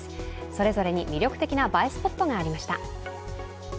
それぞれに魅力的な映えスポットがありました。